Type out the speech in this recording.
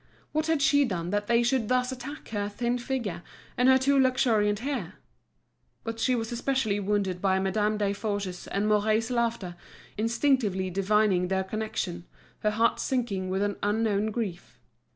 What had she done that they should thus attack her thin figure, and her too luxuriant hair? But she was especially wounded by Madame Desforges's and Mouret's laughter, instinctively divining their connection, her heart sinking with an unknown grief.